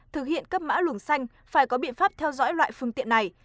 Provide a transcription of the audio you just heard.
thực hiện cấp mã luồng xanh phải có biện pháp theo dõi loại phương tiện này